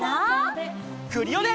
クリオネ！